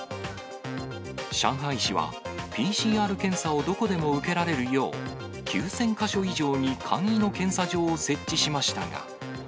上海市は、ＰＣＲ検査をどこでも受けられるよう、９０００か所以上に簡易の検査場を設置しましたが。